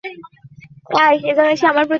ভেগাসে জুয়া খেলা আছে।